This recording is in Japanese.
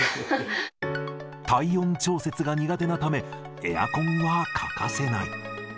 体温調節が苦手なため、エアコンは欠かせない。